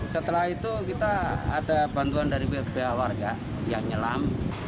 setelah itu kita ada bantuan dari pihak warga yang nyelam